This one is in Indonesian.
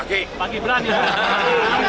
pak gibran ya pak